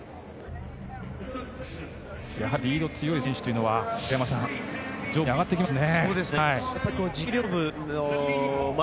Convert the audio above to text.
やはりリード強い選手というのは上部に上がってきますね。